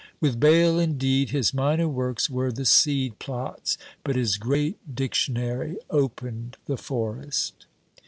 With Bayle, indeed, his minor works were the seed plots; but his great Dictionary opened the forest.